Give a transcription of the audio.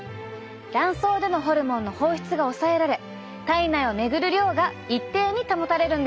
卵巣でのホルモンの放出が抑えられ体内を巡る量が一定に保たれるんです。